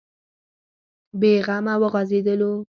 بې غمه وغځېدلو.